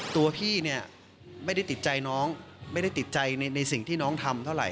ตัวพี่เนี่ยไม่ได้ติดใจน้องไม่ได้ติดใจในสิ่งที่น้องทำเท่าไห